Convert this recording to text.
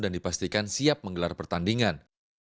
dan dipastikan siap menggelar pertandingan